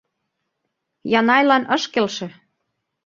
Янайлан ыш келше.